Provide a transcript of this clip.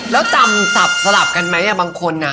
แล้วจำสับสลับกันไหมบางคน